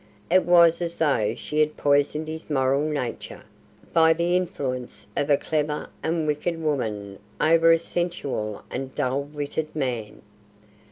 It was as though she had poisoned his moral nature by the influence of a clever and wicked woman over a sensual and dull witted man.